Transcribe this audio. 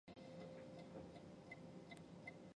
富兰克林镇区为位在美国阿肯色州卡洛尔县的镇区。